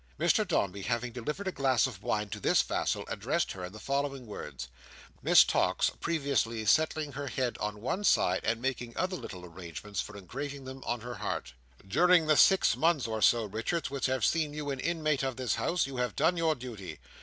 Mr Dombey, having delivered a glass of wine to this vassal, addressed her in the following words: Miss Tox previously settling her head on one side, and making other little arrangements for engraving them on her heart. "During the six months or so, Richards, which have seen you an inmate of this house, you have done your duty.